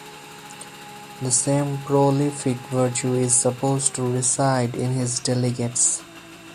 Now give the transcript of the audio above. The same prolific virtue is supposed to reside in his delegates.